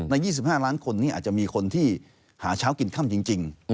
๒๕ล้านคนนี้อาจจะมีคนที่หาเช้ากินค่ำจริง